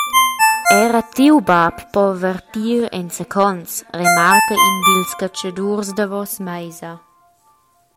«Era tiu bab po vertir enzacons», remarca in dils catschadurs davos meisa.